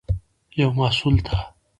یو محصول ته